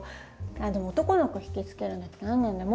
でも男の子引き付けるんだったら何なんだろう？